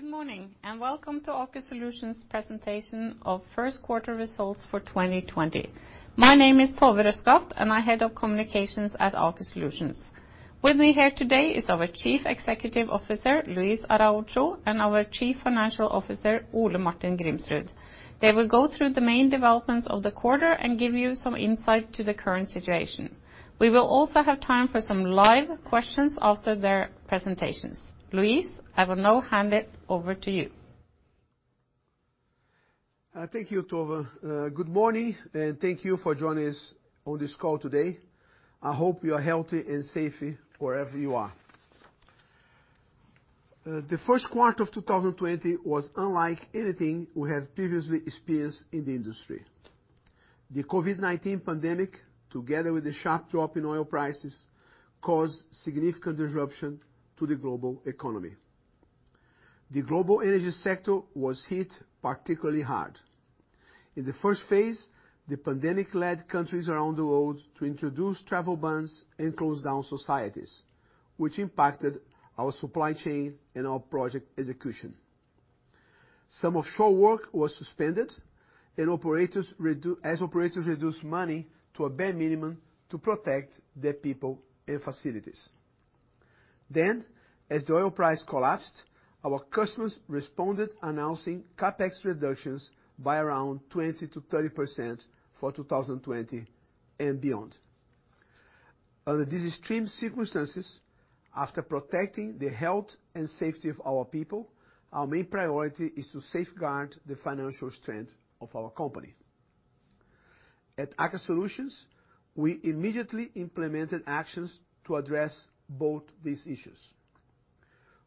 Good morning. Welcome to Aker Solutions presentation of First Quarter Results for 2020. My name is Tove Røskaft. I'm Head of Communications at Aker Solutions. With me here today is our Chief Executive Officer, Luís Araújo. Our Chief Financial Officer, Ole Martin Grimsrud. They will go through the main developments of the quarter and give you some insight to the current situation. We will also have time for some live questions after their presentations. Luis, I will now hand it over to you. Thank you, Tove. Good morning, and thank you for joining us on this call today. I hope you are healthy and safe wherever you are. The first quarter of 2020 was unlike anything we have previously experienced in the industry. The COVID-19 pandemic, together with the sharp drop in oil prices, caused significant disruption to the global economy. The global energy sector was hit particularly hard. In the first phase, the pandemic led countries around the world to introduce travel bans and close down societies, which impacted our supply chain and our project execution. Some offshore work was suspended, as operators reduced money to a bare minimum to protect their people and facilities. As the oil price collapsed, our customers responded, announcing CapEx reductions by around 20%-30% for 2020 and beyond. Under these extreme circumstances, after protecting the health and safety of our people, our main priority is to safeguard the financial strength of our company. At Aker Solutions, we immediately implemented actions to address both these issues.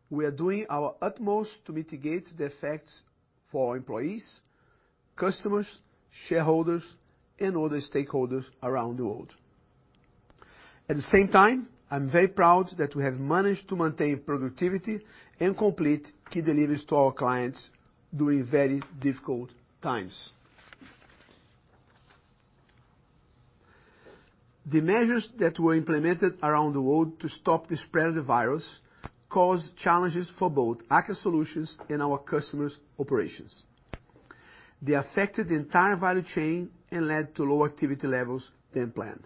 We are doing our utmost to mitigate the effects for our employees, customers, shareholders, and other stakeholders around the world. At the same time, I'm very proud that we have managed to maintain productivity and complete key deliveries to our clients during very difficult times. The measures that were implemented around the world to stop the spread of the virus caused challenges for both Aker Solutions and our customers' operations. They affected the entire value chain and led to lower activity levels than planned.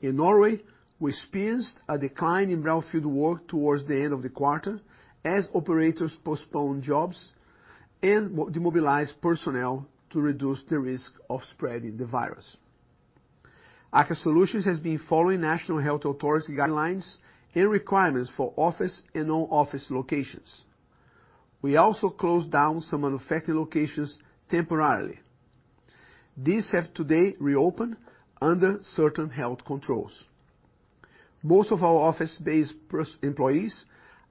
In Norway, we experienced a decline in Brownfield work towards the end of the quarter as operators postponed jobs and demobilized personnel to reduce the risk of spreading the virus. Aker Solutions has been following national health authority guidelines and requirements for office and non-office locations. We also closed down some manufacturing locations temporarily. These have today reopened under certain health controls. Most of our office-based employees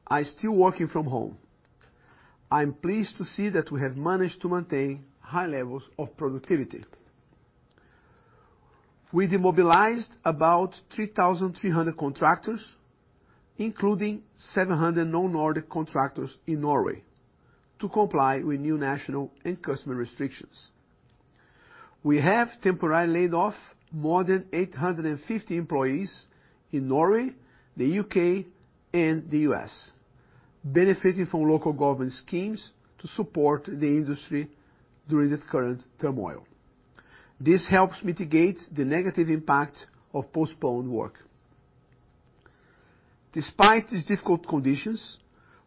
are still working from home. I'm pleased to see that we have managed to maintain high levels of productivity. We demobilized about 3,300 contractors, including 700 non-Nordic contractors in Norway to comply with new national and customer restrictions. We have temporarily laid off more than 850 employees in Norway, the U.K., and the U.S., benefiting from local government schemes to support the industry during this current turmoil. This helps mitigate the negative impact of postponed work. Despite these difficult conditions,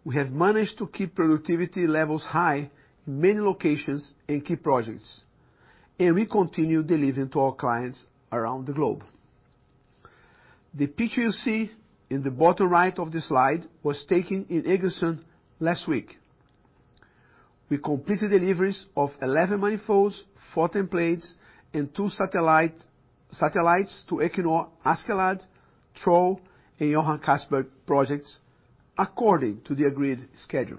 we have managed to keep productivity levels high in many locations and key projects, and we continue delivering to our clients around the globe. The picture you see in the bottom right of the slide was taken in Egersund last week. We completed deliveries of 11 manifolds, four templates, and two satellites to Equinor, Askeladd, Troll, and Johan Castberg projects according to the agreed schedule.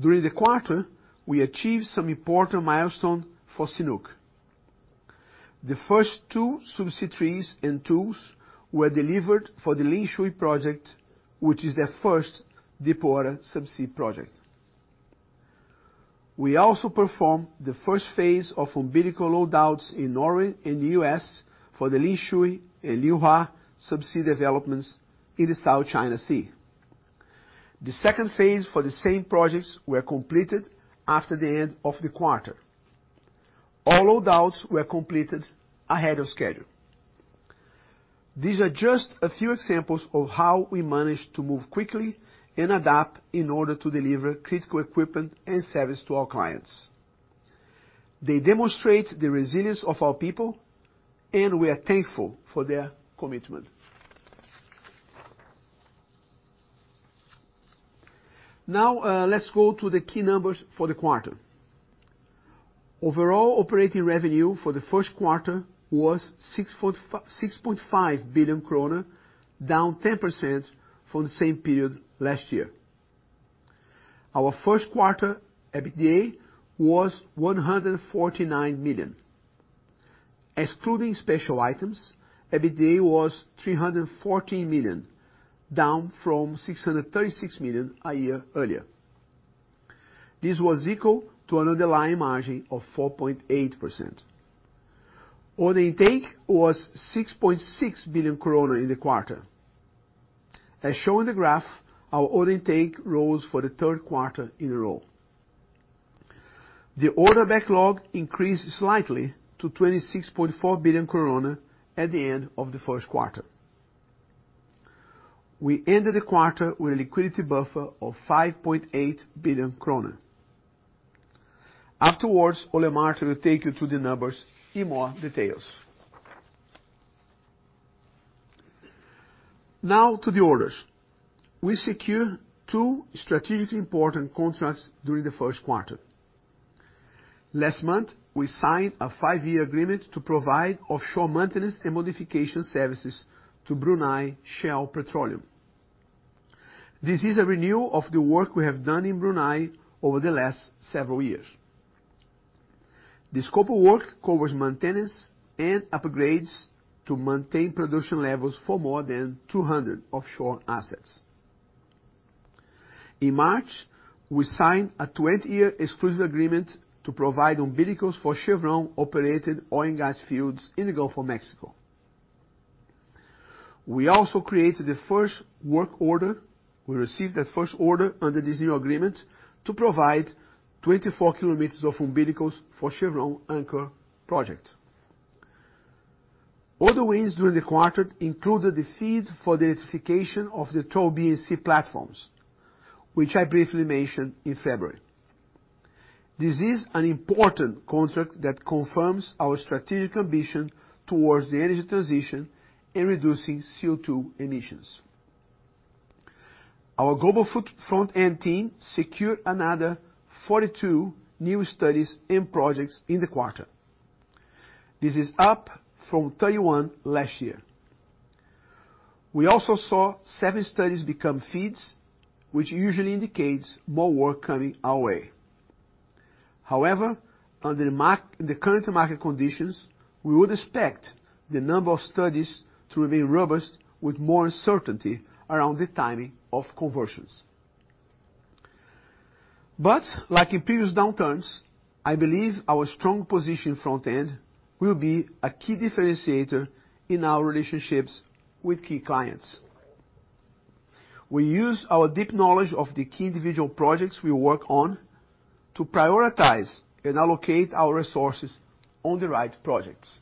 During the quarter, we achieved some important milestone for CNOOC. The first two subsea trees and tools were delivered for the Lingshui project, which is their first deepwater subsea project. We also performed the first phase of umbilical load outs in Norway and the U.S. for the Lingshui and Liuhua subsea developments in the South China Sea. The second phase for the same projects were completed after the end of the quarter. All load outs were completed ahead of schedule. These are just a few examples of how we managed to move quickly and adapt in order to deliver critical equipment and service to our clients. They demonstrate the resilience of our people, and we are thankful for their commitment. Now, let's go to the key numbers for the quarter. Overall operating revenue for the first quarter was 6.5 billion kroner, down 10% from the same period last year. Our first quarter EBITDA was 149 million. Excluding special items, EBITDA was 314 million, down from 636 million a year earlier. This was equal to an underlying margin of 4.8%. Order intake was 6.6 billion krone in the quarter. As shown in the graph, our order intake rose for the third quarter in a row. The order backlog increased slightly to 26.4 billion at the end of the first quarter. We ended the quarter with a liquidity buffer of 5.8 billion kroner. Afterwards, Ole Martin will take you through the numbers in more details. Now to the orders. We secured two strategically important contracts during the first quarter. Last month, we signed a five-year agreement to provide offshore maintenance and modification services to Brunei Shell Petroleum. This is a renewal of the work we have done in Brunei over the last several years. The scope of work covers maintenance and upgrades to maintain production levels for more than 200 offshore assets. In March, we signed a 20-year exclusive agreement to provide umbilicals for Chevron-operated oil and gas fields in the Gulf of Mexico. We also created the first work order. We received that first order under this new agreement to provide 24 kilometers of umbilicals for Chevron Anchor project. Other wins during the quarter included the FEED for the electrification of the Troll B and C platforms, which I briefly mentioned in February. This is an important contract that confirms our strategic ambition towards the energy transition and reducing CO2 emissions. Our global front-end team secured another 42 new studies and projects in the quarter. This is up from 31 last year. We also saw seven studies become FEEDs, which usually indicates more work coming our way. Under the current market conditions, we would expect the number of studies to remain robust with more uncertainty around the timing of conversions. Like in previous downturns, I believe our strong position front end will be a key differentiator in our relationships with key clients. We use our deep knowledge of the key individual projects we work on to prioritize and allocate our resources on the right projects.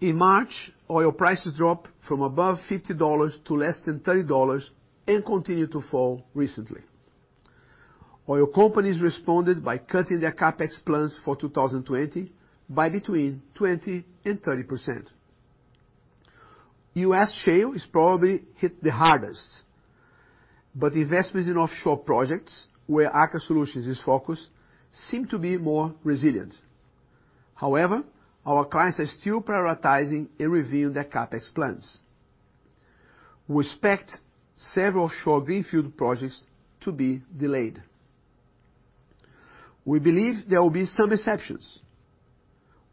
In March, oil prices dropped from above $50 to less than $30 and continued to fall recently. Oil companies responded by cutting their CapEx plans for 2020 by between 20% and 30%. U.S. shale is probably hit the hardest, but investments in offshore projects where Aker Solutions is focused seem to be more resilient. However, our clients are still prioritizing and reviewing their CapEx plans. We expect several offshore greenfield projects to be delayed. We believe there will be some exceptions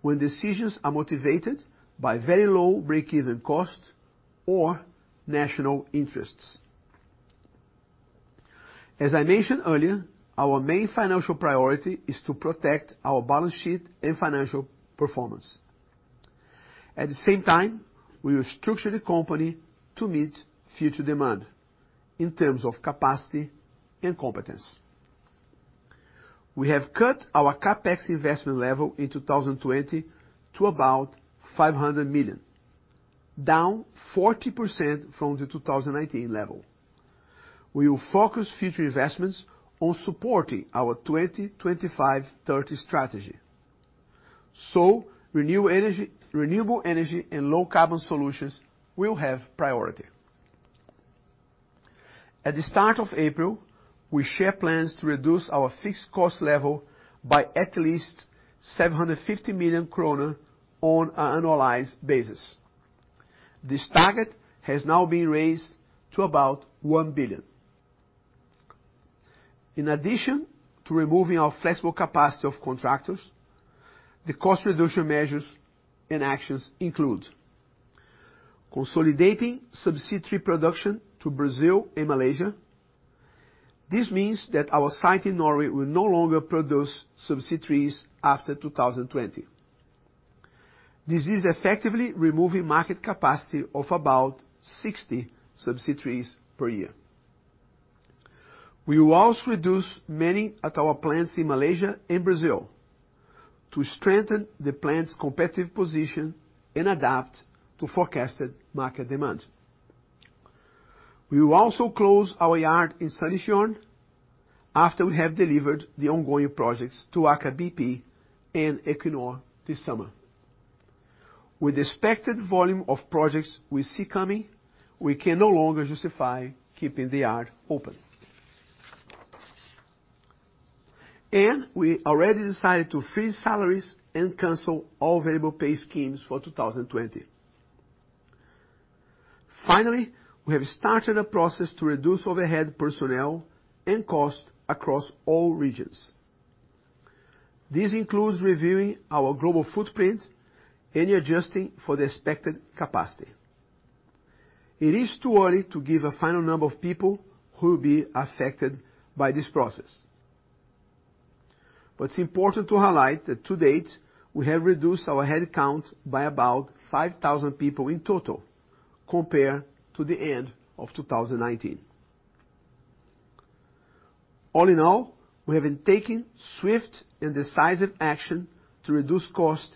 when decisions are motivated by very low break-even costs or national interests. As I mentioned earlier, our main financial priority is to protect our balance sheet and financial performance. At the same time, we will structure the company to meet future demand in terms of capacity and competence. We have cut our CapEx investment level in 2020 to about 500 million, down 40% from the 2019 level. We will focus future investments on supporting our 2025, 30 strategy. Renewable energy and low carbon solutions will have priority. At the start of April, we share plans to reduce our fixed cost level by at least 750 million kroner on an annualized basis. This target has now been raised to about 1 billion. In addition to removing our flexible capacity of contractors, the cost reduction measures and actions include consolidating subsea tree production to Brazil and Malaysia. This means that our site in Norway will no longer produce subsea trees after 2020. This is effectively removing market capacity of about 60 subsea trees per year. We will also reduce manning at our plants in Malaysia and Brazil to strengthen the plant's competitive position and adapt to forecasted market demand. We will also close our yard in Sandnessjøen after we have delivered the ongoing projects to Aker BP and Equinor this summer. With the expected volume of projects we see coming, we can no longer justify keeping the yard open. We already decided to freeze salaries and cancel all variable pay schemes for 2020. Finally, we have started a process to reduce overhead personnel and costs across all regions. This includes reviewing our global footprint and adjusting for the expected capacity. It is too early to give a final number of people who will be affected by this process. It's important to highlight that to date, we have reduced our head count by about 5,000 people in total compared to the end of 2019. All in all, we have been taking swift and decisive action to reduce cost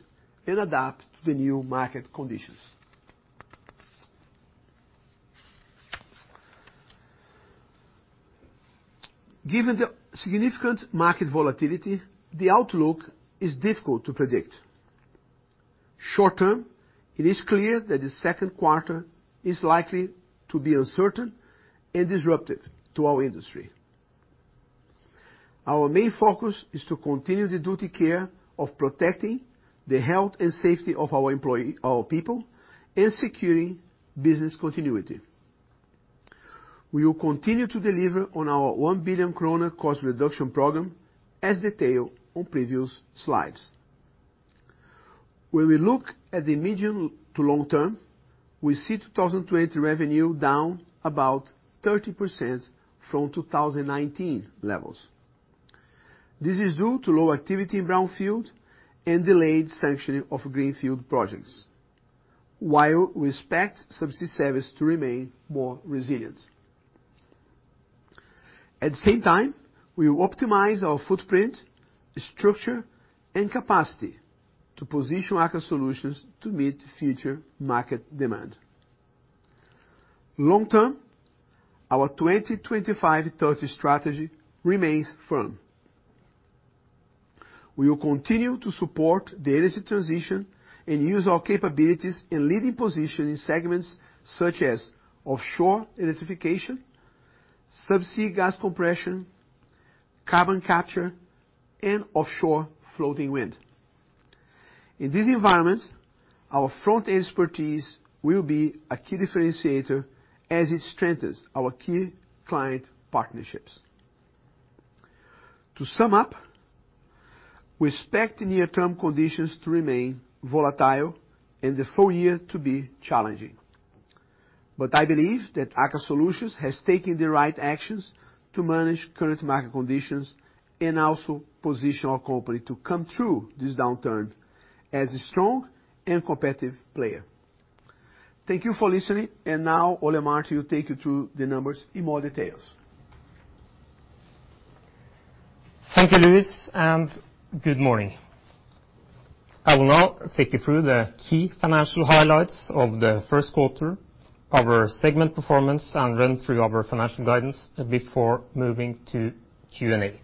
and adapt to the new market conditions. Given the significant market volatility, the outlook is difficult to predict. Short-term, it is clear that the second quarter is likely to be uncertain and disruptive to our industry. Our main focus is to continue the duty care of protecting the health and safety of our people and securing business continuity. We will continue to deliver on our 1 billion kroner cost reduction program as detailed on previous slides. When we look at the medium to long term, we see 2020 revenue down about 30% from 2019 levels. This is due to low activity in brownfield and delayed sanction of greenfield projects, while we expect subsea service to remain more resilient. At the same time, we optimize our footprint, structure, and capacity to position Aker Solutions to meet future market demand. Long-term, our 2025 search strategy remains firm. We will continue to support the energy transition and use our capabilities in leading position in segments such as offshore electrification, subsea gas compression, carbon capture, and offshore floating wind. In this environment, our front expertise will be a key differentiator as it strengthens our key client partnerships. To sum up, we expect the near-term conditions to remain volatile and the full year to be challenging. I believe that Aker Solutions has taken the right actions to manage current market conditions and also position our company to come through this downturn as a strong and competitive player. Thank you for listening, and now Ole Martin will take you through the numbers in more details. Thank you, Luís. Good morning. I will now take you through the key financial highlights of the first quarter of our segment performance and run through our financial guidance before moving to Q&A.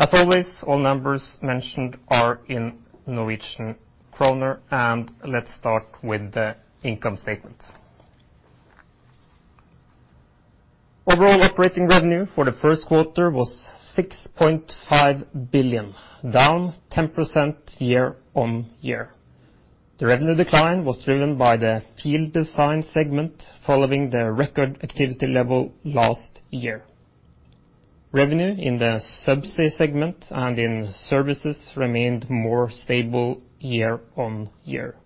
As always, all numbers mentioned are in Norwegian Kroner. Let's start with the income statement. Overall operating revenue for the first quarter was 6.5 billion, down 10% year-on-year. The revenue decline was driven by the field design segment following the record activity level last year. Revenue in the subsea segment and in services remained more stable year-on-year.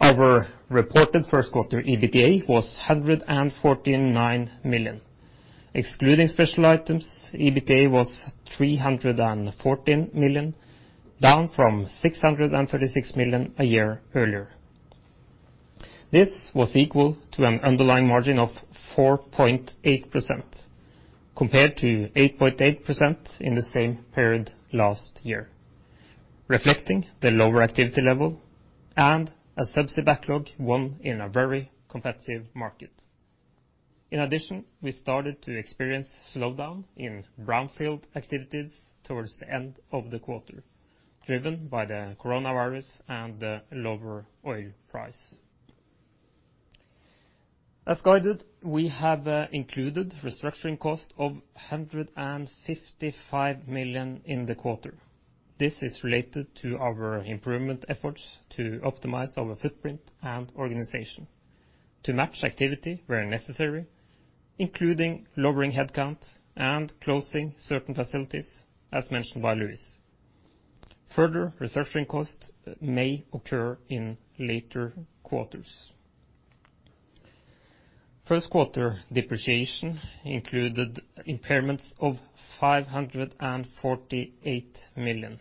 Our reported first quarter EBITDA was 149 million. Excluding special items, EBITDA was 314 million, down from 636 million a year earlier. This was equal to an underlying margin of 4.8% compared to 8.8% in the same period last year, reflecting the lower activity level and a subsea backlog won in a very competitive market. In addition, we started to experience slowdown in brownfield activities towards the end of the quarter, driven by the COVID-19 and the lower oil price. As guided, we have included restructuring cost of 155 million in the quarter. This is related to our improvement efforts to optimize our footprint and organization to match activity where necessary, including lowering headcounts and closing certain facilities as mentioned by Luís. Further restructuring costs may occur in later quarters. First quarter depreciation included impairments of 548 million,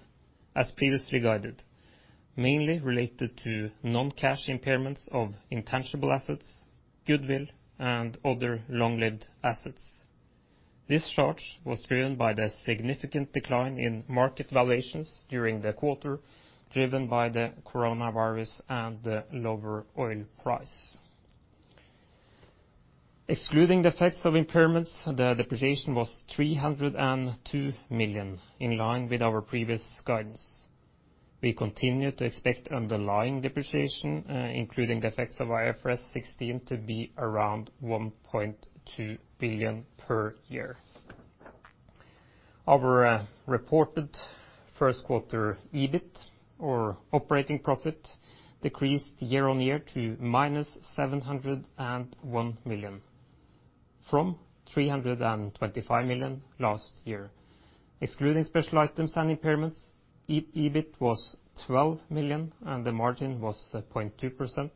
as previously guided, mainly related to non-cash impairments of intangible assets, goodwill, and other long-lived assets. This charge was driven by the significant decline in market valuations during the quarter, driven by the COVID-19 and the lower oil price. Excluding the effects of impairments, the depreciation was 302 million, in line with our previous guidance. We continue to expect underlying depreciation, including the effects of IFRS 16, to be around 1.2 billion per year. Our reported first quarter EBIT or operating profit decreased year on year to minus 701 million. From 325 million last year. Excluding special items and impairments, EBIT was 12 million and the margin was at 0.2%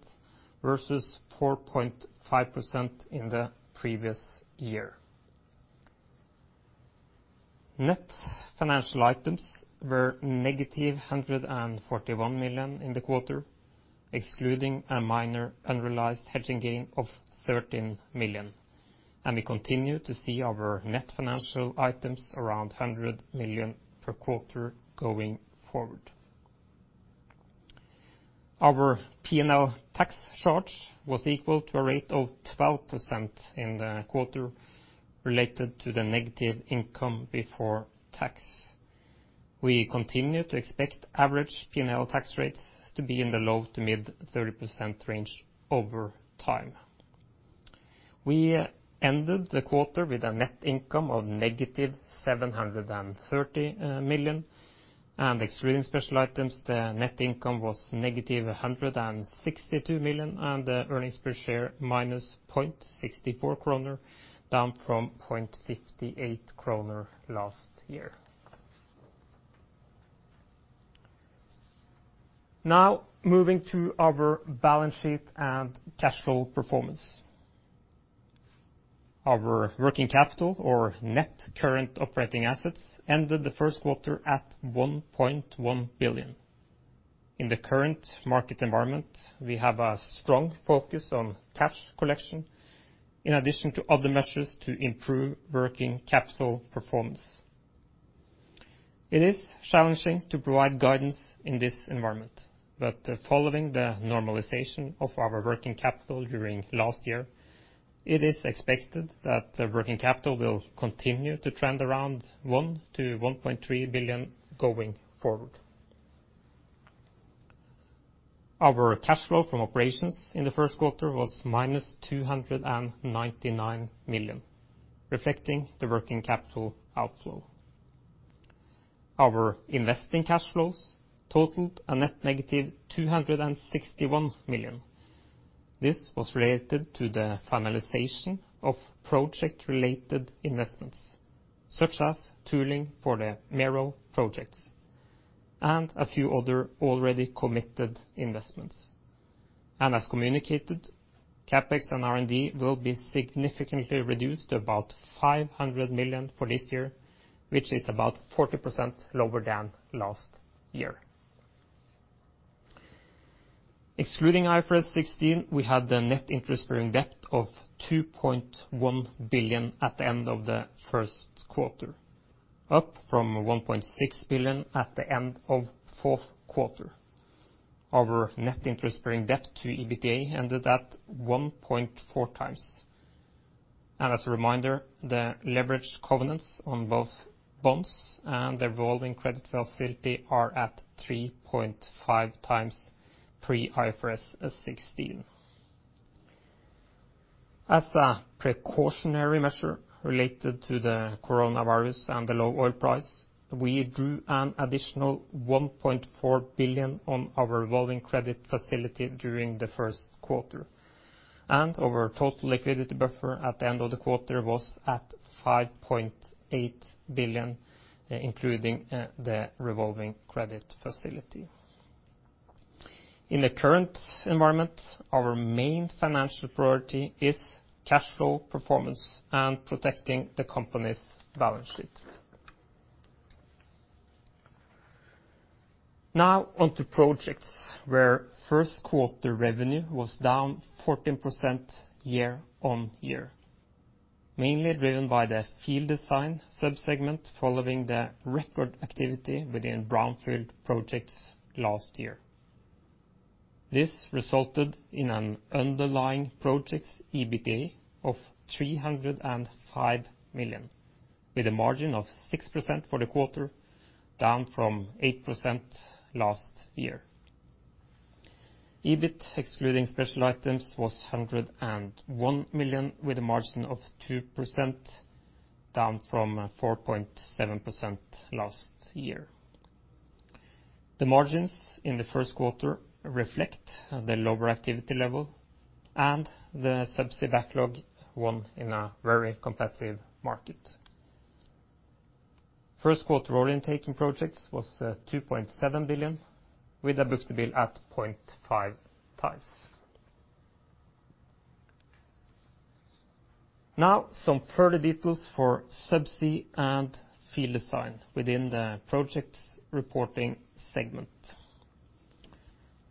versus 4.5% in the previous year. Net financial items were negative 141 million in the quarter, excluding a minor unrealized hedging gain of 13 million. We continue to see our net financial items around 100 million per quarter going forward. Our P&L tax charge was equal to a rate of 12% in the quarter, related to the negative income before tax. We continue to expect average P&L tax rates to be in the low-to-mid 30% range over time. We ended the quarter with a net income of negative 730 million. Excluding special items, the net income was negative 162 million, and the earnings per share minus 0.64 kroner, down from 0.58 kroner last year. Now, moving to our balance sheet and cash flow performance. Our working capital or net current operating assets ended the first quarter at 1.1 billion. In the current market environment, we have a strong focus on cash collection in addition to other measures to improve working capital performance. It is challenging to provide guidance in this environment. Following the normalization of our working capital during last year, it is expected that working capital will continue to trend around 1 billion-1.3 billion going forward. Our cash flow from operations in the first quarter was -299 million, reflecting the working capital outflow. Our investing cash flows totaled a net negative 261 million. This was related to the finalization of project-related investments, such as tooling for the Mero projects and a few other already committed investments. As communicated, CapEx and R&D will be significantly reduced to about 500 million for this year, which is about 40% lower than last year. Excluding IFRS 16, we have the net interest-bearing debt of 2.1 billion at the end of the first quarter, up from 1.6 billion at the end of fourth quarter. Our net interest-bearing debt to EBITDA ended at 1.4x. As a reminder, the leverage covenants on both bonds and the revolving credit facility are at 3.5x pre-IFRS 16. As a precautionary measure related to the coronavirus and the low oil price, we drew an additional 1.4 billion on our revolving credit facility during the first quarter. Our total liquidity buffer at the end of the quarter was at 5.8 billion, including the revolving credit facility. In the current environment, our main financial priority is cash flow performance and protecting the company's balance sheet. Now on to projects, where first quarter revenue was down 14% year-on-year, mainly driven by the field design sub-segment following the record activity within brownfield projects last year. This resulted in an underlying project EBITDA of 305 million with a margin of 6% for the quarter, down from 8% last year. EBIT excluding special items was 101 million with a margin of 2%, down from 4.7% last year. The margins in the first quarter reflect the lower activity level and the Subsea backlog won in a very competitive market. First quarter order intake in projects was 2.7 billion with a book-to-bill at 0.5x. Now, some further details for Subsea and Field Design within the projects reporting segment.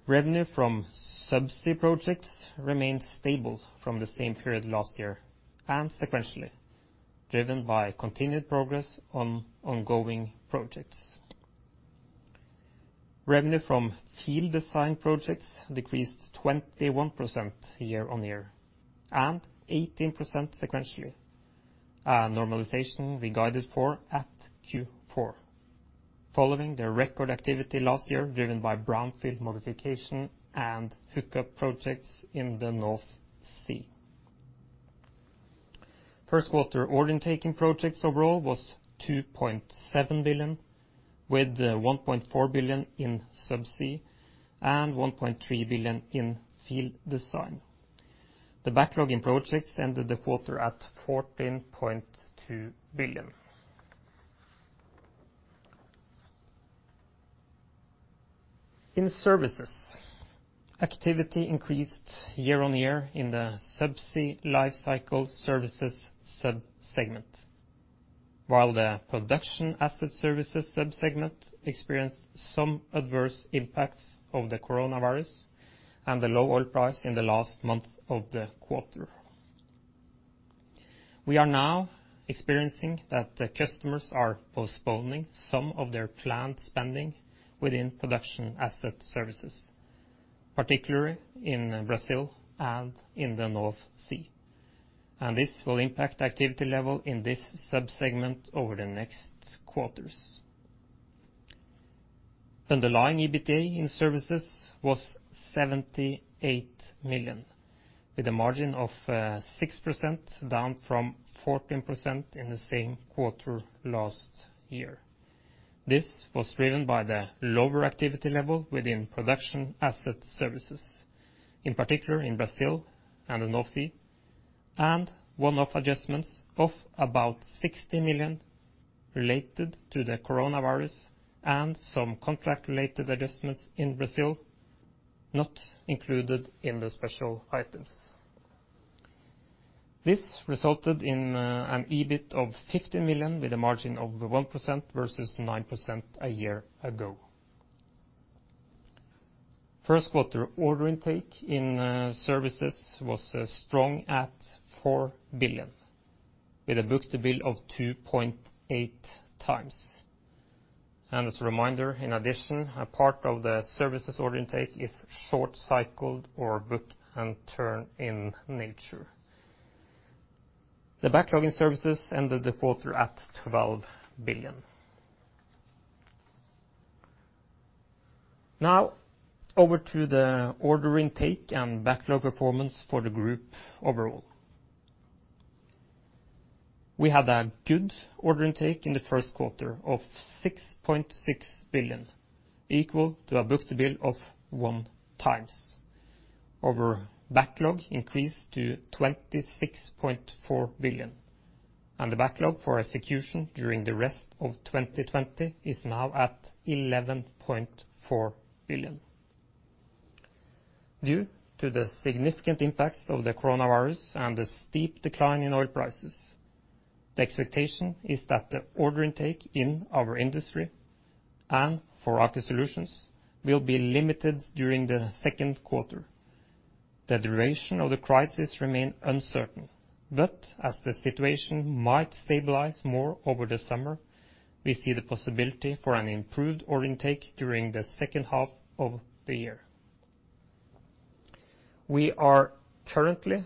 Revenue from Subsea projects remained stable from the same period last year and sequentially, driven by continued progress on ongoing projects. Revenue from Field Design projects decreased 21% year-on-year and 18% sequentially, a normalization we guided for at Q4 following the record activity last year driven by brownfield modification and hookup projects in the North Sea. First quarter order intake in projects overall was 2.7 billion. With 1.4 billion in Subsea and 1.3 billion in Field Design. The backlog in projects ended the quarter at 14.2 billion. In services, activity increased year-on-year in the subsea life cycle services sub-segment. While the production asset services sub-segment experienced some adverse impacts of the coronavirus and the low oil price in the last month of the quarter. We are now experiencing that the customers are postponing some of their planned spending within production asset services, particularly in Brazil and in the North Sea. This will impact activity level in this sub-segment over the next quarters. Underlying EBITDA in services was 78 million, with a margin of 6% down from 14% in the same quarter last year. This was driven by the lower activity level within production asset services, in particular in Brazil and the North Sea, and one-off adjustments of about 60 million related to the coronavirus and some contract-related adjustments in Brazil, not included in the special items. This resulted in an EBIT of 50 million with a margin of 1% versus 9% a year ago. First quarter order intake in services was strong at 4 billion, with a book-to-bill of 2.8x. As a reminder, in addition, a part of the services order intake is short cycled or book-and-turn in nature. The backlog in services ended the quarter at 12 billion. Over to the order intake and backlog performance for the group overall. We had a good order intake in the first quarter of 6.6 billion, equal to a book-to-bill of 1x. Our backlog increased to 26.4 billion. The backlog for execution during the rest of 2020 is now at 11.4 billion. Due to the significant impacts of the coronavirus and the steep decline in oil prices, the expectation is that the order intake in our industry and for Aker Solutions will be limited during the second quarter. The duration of the crisis remain uncertain, as the situation might stabilize more over the summer, we see the possibility for an improved order intake during the second half of the year. We are currently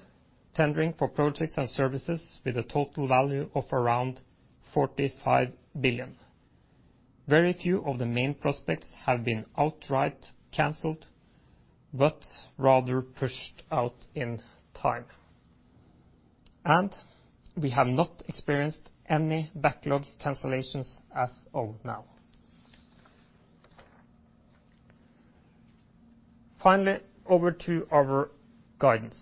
tendering for projects and services with a total value of around 45 billion. Very few of the main prospects have been outright canceled, rather pushed out in time. We have not experienced any backlog cancellations as of now. Finally, over to our guidance.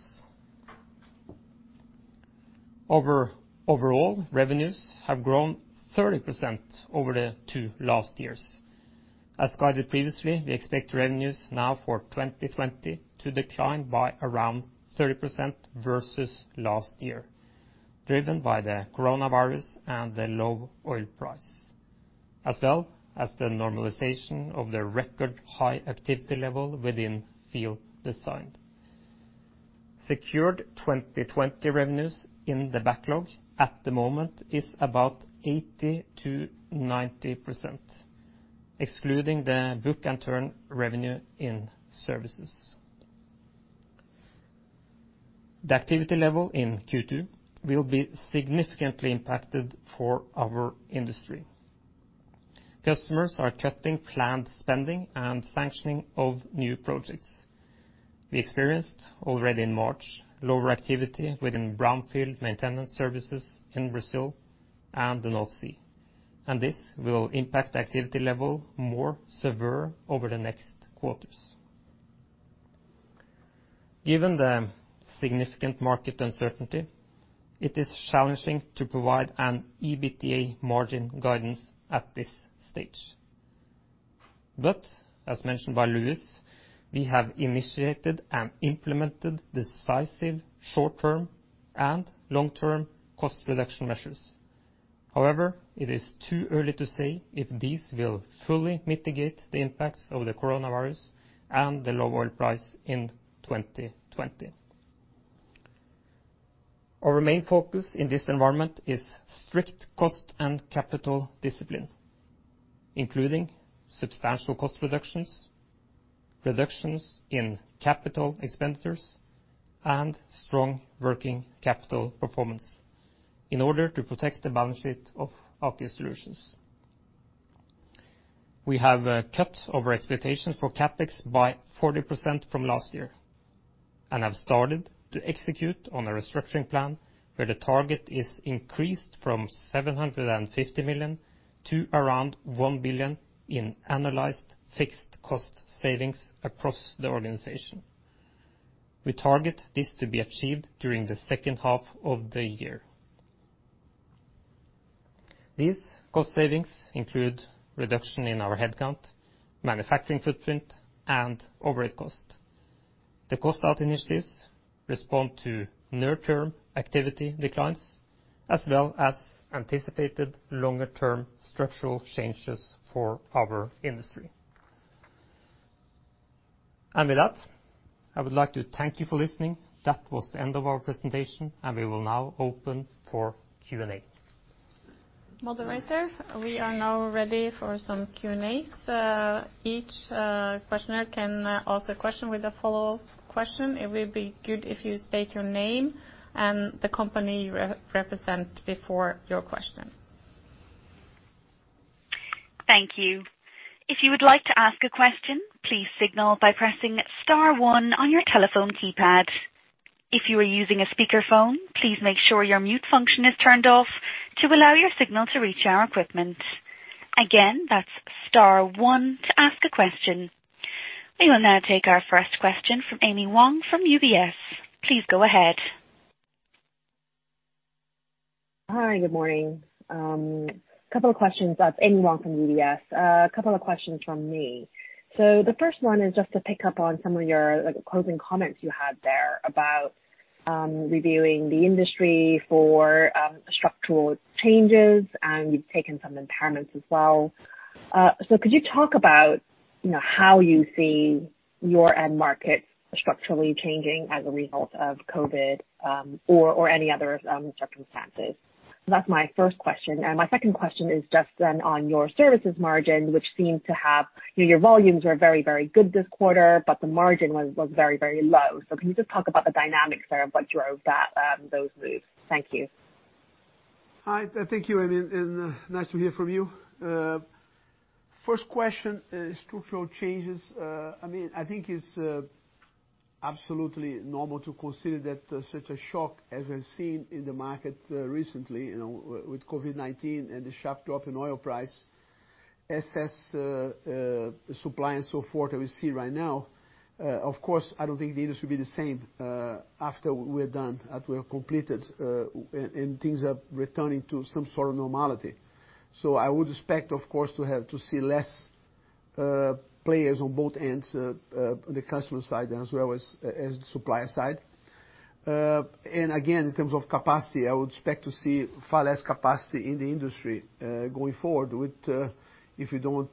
Our overall revenues have grown 30% over the two last years. As guided previously, we expect revenues now for 2020 to decline by around 30% versus last year, driven by the coronavirus and the low oil price, as well as the normalization of the record high activity level within field design. Secured 2020 revenues in the backlog at the moment is about 80%-90%, excluding the book-and-turn revenue in services. The activity level in Q2 will be significantly impacted for our industry. Customers are cutting planned spending and sanctioning of new projects. We experienced already in March, lower activity within brownfield maintenance services in Brazil and the North Sea. This will impact activity level more severe over the next quarters. Given the significant market uncertainty, it is challenging to provide an EBITDA margin guidance at this stage. As mentioned by Luís, we have initiated and implemented decisive short-term and long-term cost reduction measures. However, it is too early to say if these will fully mitigate the impacts of the coronavirus and the low oil price in 2020. Our main focus in this environment is strict cost and capital discipline, including substantial cost reductions in capital expenditures, and strong working capital performance in order to protect the balance sheet of Aker Solutions. We have cut our expectations for CapEx by 40% from last year. Have started to execute on a restructuring plan where the target is increased from $750 million to around $1 billion in analyzed fixed cost savings across the organization. We target this to be achieved during the second half of the year. These cost savings include reduction in our headcount, manufacturing footprint and overhead costs. The cost out initiatives respond to near-term activity declines as well as anticipated longer-term structural changes for our industry. With that, I would like to thank you for listening. That was the end of our presentation, and we will now open for Q&A. Moderator, we are now ready for some Q&A. each questioner can ask a question with a follow-up question. It would be good if you state your name and the company you represent before your question. Thank you. If you would like to ask a question, please signal by pressing star one on your telephone keypad. If you are using a speakerphone, please make sure your mute function is turned off to allow your signal to reach our equipment. Again, that's star one to ask a question. We will now take our first question from Amy Wang from UBS. Please go ahead. Hi, good morning. A couple of questions. It's Amy Wang from UBS. A couple of questions from me. The first one is just to pick up on some of your, like, closing comments you had there about reviewing the industry for structural changes, and you've taken some impairments as well. Could you talk about, you know, how you see your end market structurally changing as a result of COVID, or any other circumstances? That's my first question. My second question is just then on your services margin. You know, your volumes are very, very good this quarter, but the margin was very, very low. Can you just talk about the dynamics there of what drove that, those moves? Thank you. Hi. Thank you, Amy. Nice to hear from you. First question is structural changes. I mean, I think it's absolutely normal to consider that such a shock as we've seen in the market recently, you know, with COVID-19 and the sharp drop in oil price, excess supply and so forth that we see right now. Of course, I don't think the industry will be the same after we're done, after we're completed, and things are returning to some sort of normality. I would expect, of course, to have to see less players on both ends, the customer side as well as the supplier side. And again, in terms of capacity, I would expect to see far less capacity in the industry, going forward with, if we don't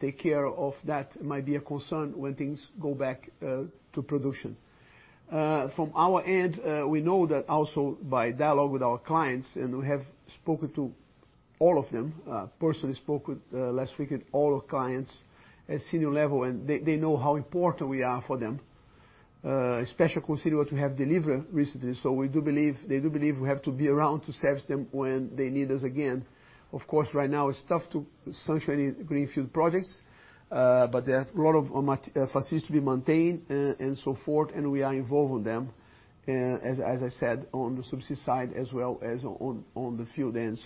take care of that, it might be a concern when things go back to production. From our end, we know that also by dialogue with our clients, and we have spoken to all of them, personally spoke with last week with all our clients at senior level, and they know how important we are for them, especially considering what we have delivered recently. We do believe, they do believe we have to be around to service them when they need us again. Of course, right now it's tough to sanction any greenfield projects, but there are a lot of facilities to be maintained and so forth, and we are involved with them, as I said, on the subsea side as well as on the field end.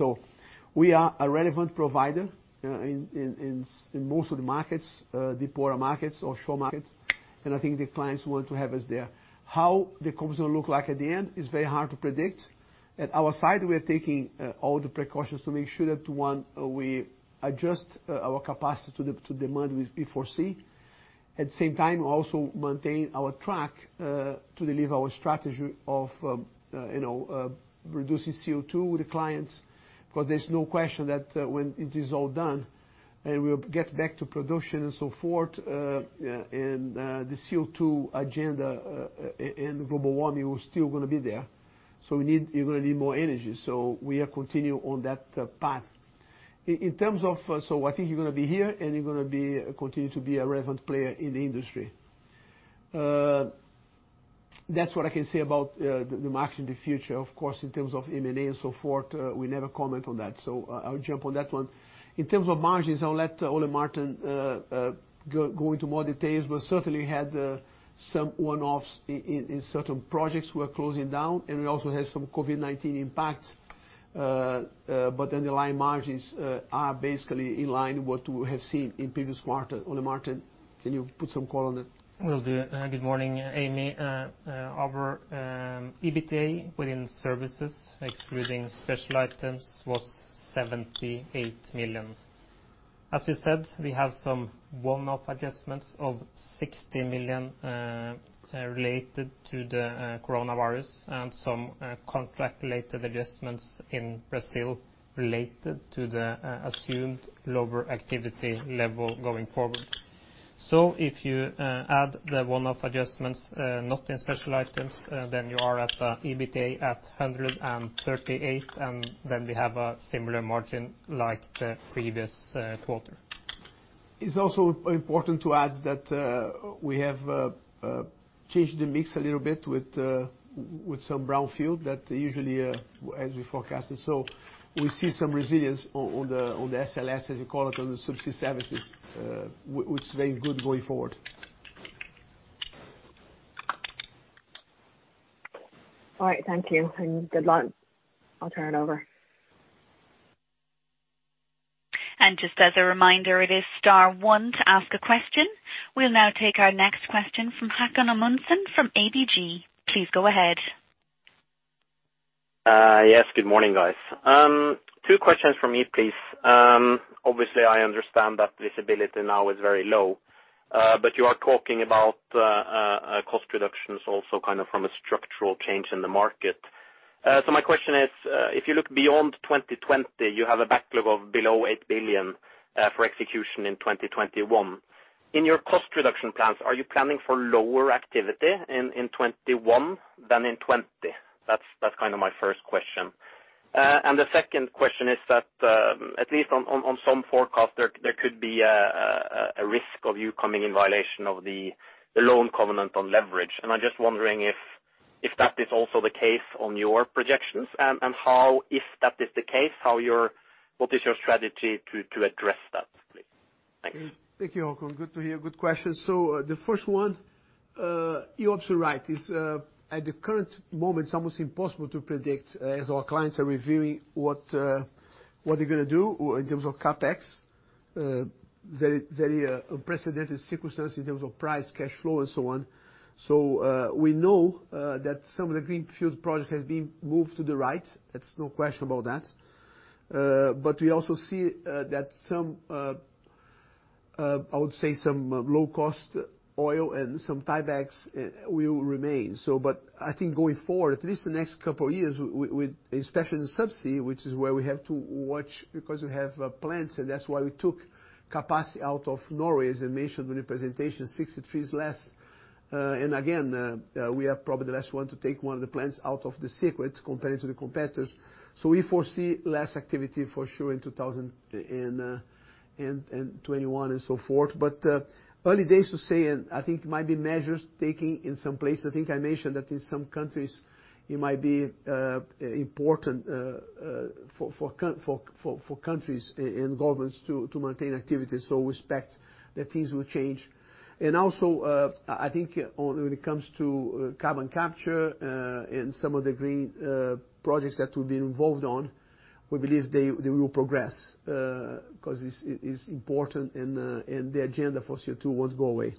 We are a relevant provider in most of the markets, deeper markets, offshore markets, and I think the clients want to have us there. How the competition will look like at the end is very hard to predict. At our side, we are taking all the precautions to make sure that, one, we adjust our capacity to demand we foresee. At the same time, we also maintain our track to deliver our strategy of, you know, reducing CO2 with the clients. Because there's no question that when it is all done and we'll get back to production and so forth, and the CO2 agenda and global warming is still gonna be there. You're gonna need more energy. We are continue on that path. In terms of, I think you're gonna be here, and you're gonna be continue to be a relevant player in the industry. That's what I can say about the market in the future. Of course, in terms of M&A and so forth, we never comment on that. I'll jump on that one. In terms of margins, I'll let Ole Martin go into more details, but certainly we had some one-offs in certain projects we are closing down, and we also had some COVID-19 impact. The underlying margins are basically in line with what we have seen in previous quarter. Ole Martin, can you put some color on it? Will do. Good morning, Amy. Our EBITDA within services, excluding special items, was 78 million. As we said, we have some one-off adjustments of 60 million related to the coronavirus and some contract-related adjustments in Brazil related to the assumed lower activity level going forward. If you add the one-off adjustments, not in special items, then you are at EBITDA at 138, and then we have a similar margin like the previous quarter. It's also important to add that we have changed the mix a little bit with some brownfield that usually, as we forecasted. We see some resilience on the, on the SLS, as you call it, on the subsea services, which is very good going forward. All right. Thank you, and good luck. I'll turn it over. Just as a reminder, it is star one to ask a question. We'll now take our next question from Håkon Amundsen from ABG. Please go ahead. Yes, good morning, guys. two questions from me, please. Obviously, I understand that visibility now is very low, you are talking about cost reductions also kind of from a structural change in the market. My question is, if you look beyond 2020, you have a backlog of below 8 billion for execution in 2021. In your cost reduction plans, are you planning for lower activity in 2021 than in 2020? That's kind of my first question. The second question is that, at least on some forecast there could be a risk of you coming in violation of the loan covenant on leverage. I'm just wondering if that is also the case on your projections, and how, if that is the case, what is your strategy to address that, please? Thanks. Thank you, Håkon. Good to hear. Good questions. The first one, you're absolutely right. It's at the current moment, it's almost impossible to predict, as our clients are reviewing what they're gonna do in terms of CapEx. Very, very, unprecedented circumstances in terms of price, cash flow and so on. We know that some of the green field projects have been moved to the right. There's no question about that. We also see that some, I would say some low cost oil and some tiebacks, will remain. But I think going forward, at least the next couple of years with, especially in Subsea, which is where we have to watch because we have plants, and that's why we took capacity out of Norway, as I mentioned in the presentation, 63 is less. And again, we are probably the last one to take one of the plants out of the secret compared to the competitors. We foresee less activity for sure in 2021 and so forth. Early days to say, and I think there might be measures taken in some places. I think I mentioned that in some countries it might be important for countries and governments to maintain activity. We expect that things will change. Also, I think when it comes to carbon capture, and some of the green projects that we've been involved on, we believe they will progress, because it's important and the agenda for CO2 won't go away.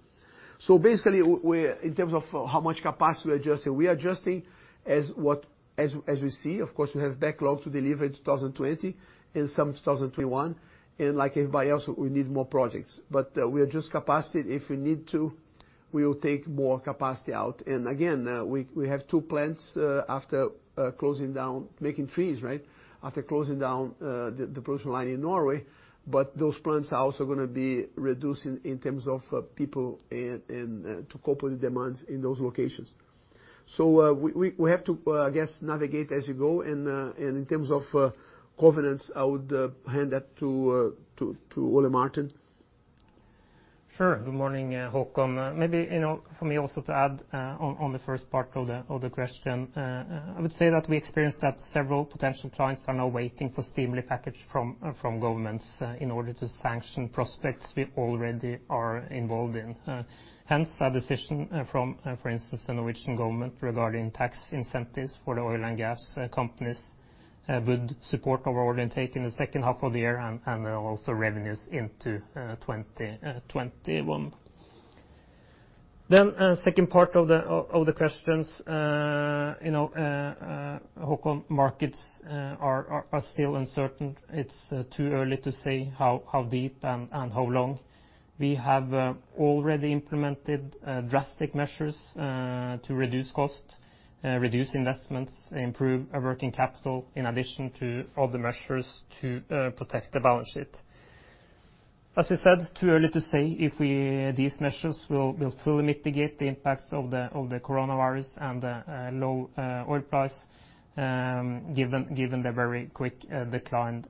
Basically, we're, in terms of how much capacity we're adjusting, we are adjusting as we see. Of course, we have backlog to deliver in 2020 and some in 2021. Like everybody else, we need more projects. We adjust capacity if we need to. We will take more capacity out. Again, we have two plants, after closing down, making threes, right? After closing down, the production line in Norway. Those plants are also gonna be reduced in terms of people and to cope with the demands in those locations. We have to, I guess, navigate as you go. In terms of confidence, I would hand that to Ole Martin. Sure. Good morning, Håkon. Maybe, you know, for me also to add on the first part of the question. I would say that we experienced that several potential clients are now waiting for stimuli package from governments in order to sanction prospects we already are involved in. Hence that decision from for instance, the Norwegian government regarding tax incentives for the oil and gas companies would support our order intake in the second half of the year and also revenues into 2021. Second part of the questions. You know, Håkon, markets are still uncertain. It's too early to say how deep and how long. We have already implemented drastic measures to reduce cost, reduce investments, improve our working capital in addition to other measures to protect the balance sheet. As we said, too early to say if we, these measures will fully mitigate the impacts of the coronavirus and low oil price, given the very quick decline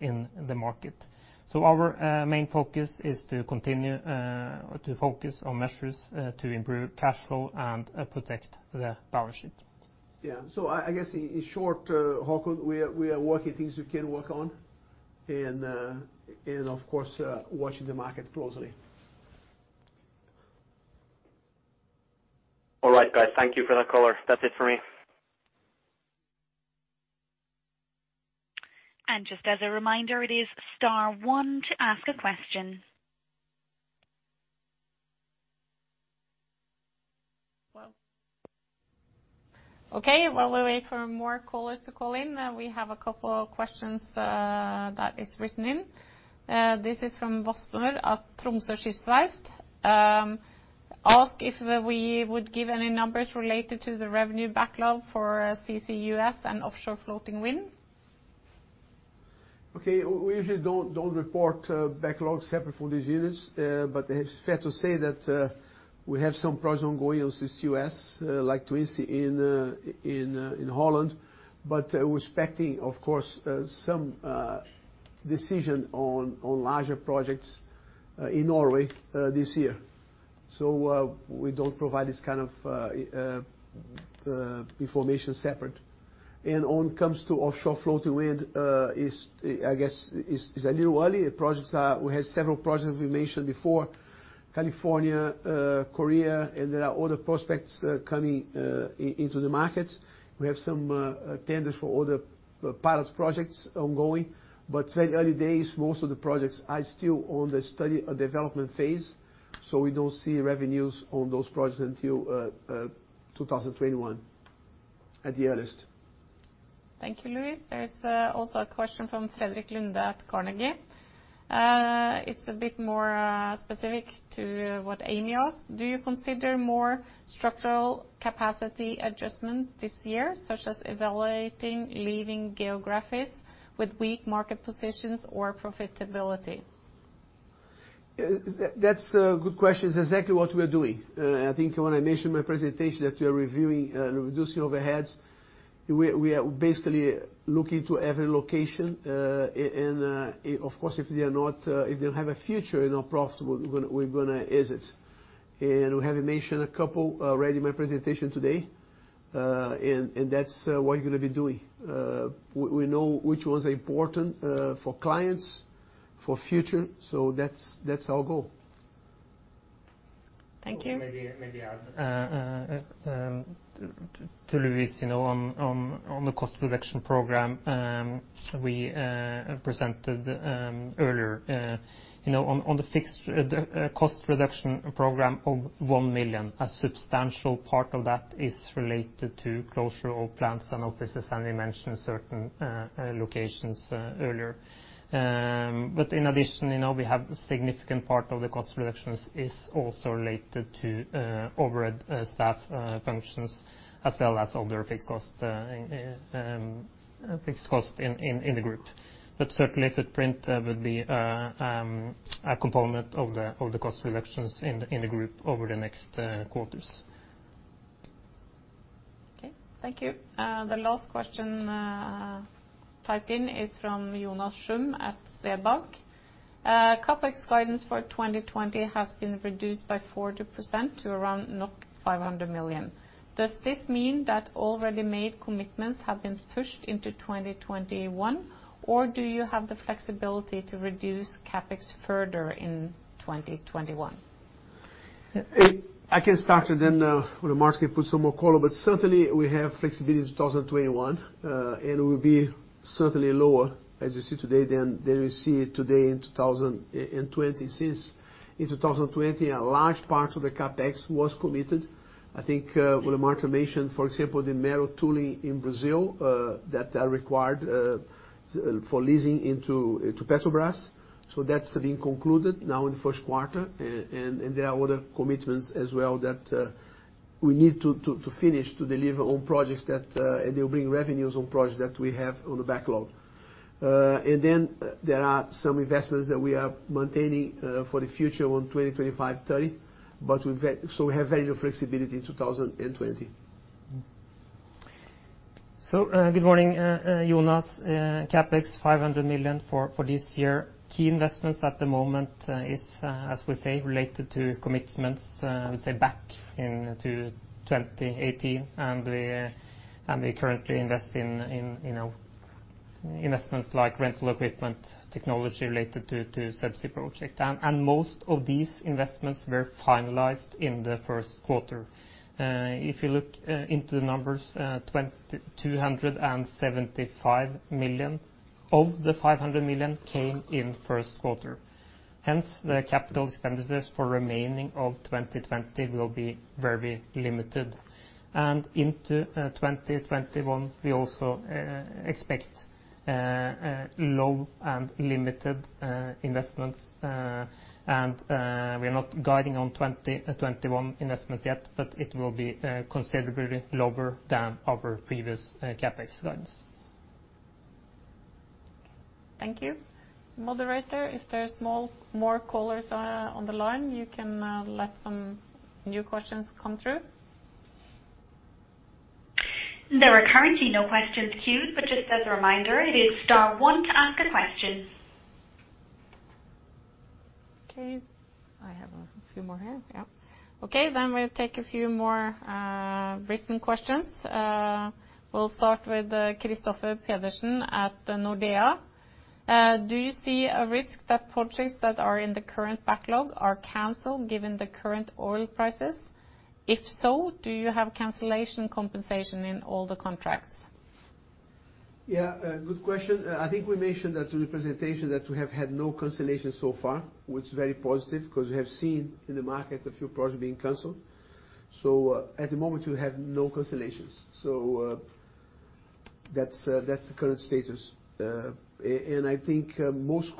in the market. Our main focus is to continue to focus on measures to improve cash flow and protect the balance sheet. Yeah. I guess in short, Håkon, we are working things we can work on and of course, watching the market closely. All right, guys. Thank you for the color. That's it for me. Just as a reminder, it is star one to ask a question. Well. Okay, while we wait for more callers to call in, we have a couple of questions that is written in. This is from Bostrom at Tromsø Skysstrafikk. Ask if we would give any numbers related to the revenue backlog for CCUS and offshore floating wind. Okay. We usually don't report backlogs separate for these units. But it's fair to say that we have some projects ongoing on CCUS, like Twence in Holland. We're expecting, of course, some decision on larger projects in Norway this year. We don't provide this kind of information separate. When it comes to offshore floating wind, is, I guess, is a little early. The projects are. We have several projects we mentioned before, California, Korea, and there are other prospects coming into the market. We have some tenders for other pilot projects ongoing. It's very early days, most of the projects are still on the study or development phase, so we don't see revenues on those projects until 2021, at the earliest. Thank you, Luís. There's also a question from Fredrik Lunde at Carnegie. It's a bit more specific to what Amy asked. Do you consider more structural capacity adjustment this year, such as evaluating leaving geographics with weak market positions or profitability? That's a good question. It's exactly what we are doing. I think when I mentioned in my presentation that we are reviewing, reducing overheads, we are basically looking to every location. Of course, if they are not, if they don't have a future and are profitable, we're gonna exit. We have mentioned a couple already in my presentation today. That's what we're gonna be doing. We know which one's important, for clients, for future, so that's our goal. Thank you. Maybe I'll to Luís, you know, on the cost reduction program, we presented earlier. You know, on the fixed cost reduction program of 1 million, a substantial part of that is related to closure of plants and offices, and we mentioned certain locations earlier. In addition, you know, we have a significant part of the cost reductions is also related to overhead staff functions, as well as other fixed cost in the group. Certainly footprint would be a component of the cost reductions in the group over the next quarters. Okay, thank you. The last question, typed in is from Jonas Shum at SEB. CapEx guidance for 2020 has been reduced by 40% to around 500 million. Does this mean that already-made commitments have been pushed into 2021, or do you have the flexibility to reduce CapEx further in 2021? I can start and then Ole Martin can put some more color, certainly we have flexibility in 2021. We'll be certainly lower, as you see today, than we see today in 2020. Since in 2020, a large part of the CapEx was committed. I think Ole Martin mentioned, for example, the mero tooling in Brazil that are required for leasing into Petrobras. That's being concluded now in the first quarter, and there are other commitments as well that we need to finish to deliver on projects that, and they'll bring revenues on projects that we have on the backlog. There are some investments that we are maintaining for the future on 2020, 2025, 2030. We have very little flexibility in 2020. Good morning, Jonas. CapEx 500 million for this year. Key investments at the moment is, as we say, related to commitments back in 2018. We currently invest in, you know, investments like rental equipment, technology related to subsea project. Most of these investments were finalized in the first quarter. If you look into the numbers, 275 million of the 500 million came in first quarter. Hence, the capital expenditures for remaining of 2020 will be very limited. Into 2021, we also expect low and limited investments. We are not guiding on 2021 investments yet, but it will be considerably lower than our previous CapEx guidance. Thank you. Moderator, if there's more callers on the line, you can let some new questions come through. There are currently no questions queued, but just as a reminder, it is star one to ask a question. I have a few more here. Then we'll take a few more written questions. We'll start with Erik Christian Pedersen at Nordea. Do you see a risk that projects that are in the current backlog are canceled given the current oil prices? If so, do you have cancellation compensation in all the contracts? Yeah, good question. I think we mentioned that in the presentation that we have had no cancellations so far, which is very positive because we have seen in the market a few projects being canceled. At the moment, we have no cancellations. That's the current status. And I think most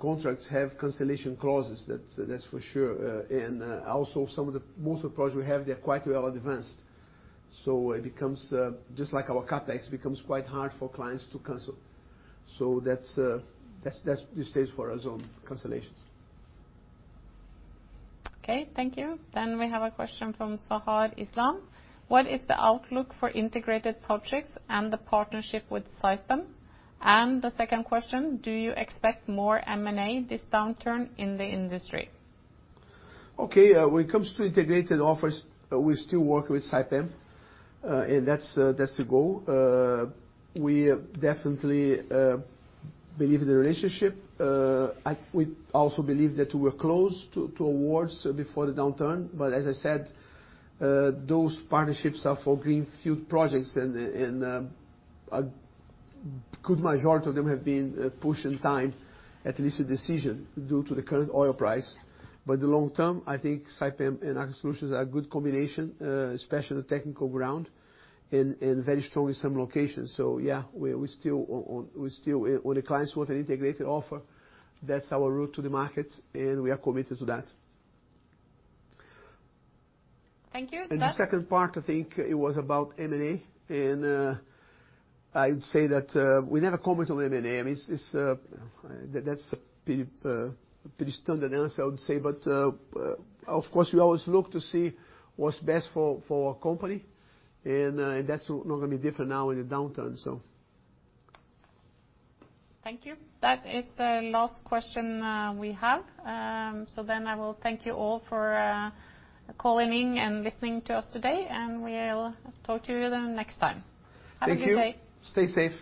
contracts have cancellation clauses, that's for sure. And also some of the, most of the projects we have, they're quite well advanced. It becomes just like our CapEx, becomes quite hard for clients to cancel. That's the stage for us on cancellations. Okay, thank you. We have a question from Sahar Islam. What is the outlook for integrated projects and the partnership with Saipem? The second question, do you expect more M&A this downturn in the industry? Okay. When it comes to integrated offers, we still work with Saipem, and that's the goal. We definitely believe in the relationship. We also believe that we were close to awards before the downturn, but as I said, those partnerships are for greenfield projects and, a good majority of them have been pushed in time at least a decision due to the current oil price. The long term, I think Saipem and Aker Solutions are a good combination, especially the technical ground, and very strong in some locations. When the clients want an integrated offer, that's our route to the market, and we are committed to that. Thank you. The second part, I think it was about M&A, and I'd say that we never comment on M&A. I mean, it's that's a pretty pretty standard answer, I would say. Of course, we always look to see what's best for our company, and that's not gonna be different now in the downturn, so. Thank you. That is the last question we have. I will thank you all for calling in and listening to us today, and we'll talk to you then next time. Thank you. Have a good day. Stay safe.